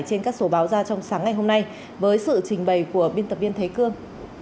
trong sáng ngày hôm nay với sự trình bày của biên tập viên thế cương